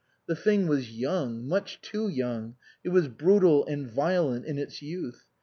The thing was young, much too young ; and it was brutal and violent in its youth.